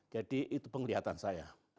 jadi itu penglihatan saya